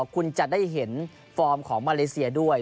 คุณจะได้เห็นฟอร์มของมาเลเซียด้วย